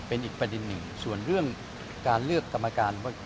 เป็นอีกประเด็นหนึ่งส่วนเรื่องการเลือกกรรมการ